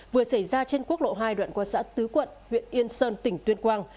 vừa xảy ra trên quốc lộ hai đoạn qua xã tứ quận huyện yên sơn tỉnh tuyên quang